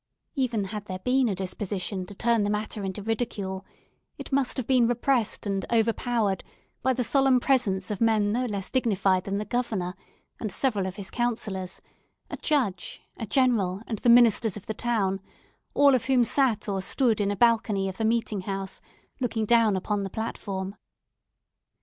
Even had there been a disposition to turn the matter into ridicule, it must have been repressed and overpowered by the solemn presence of men no less dignified than the governor, and several of his counsellors, a judge, a general, and the ministers of the town, all of whom sat or stood in a balcony of the meeting house, looking down upon the platform.